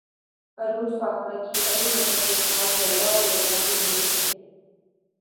عروج فاطمہ کی علی ظفر کے ساتھ لیلی او لیلی کے ذریعے انٹری